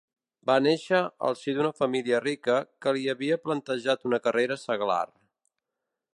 Va néixer al si d'una família rica que li havia planejat una carrera seglar.